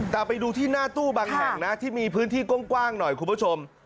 แต่ไปดูที่หน้าตู้บางแห่งนะที่มีพื้นที่กว้างหน่อยคุณผู้ชม